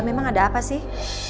memang ada apa sih